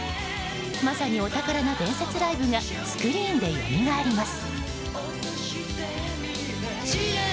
まさにお宝な伝説ライブがスクリーンでよみがえります。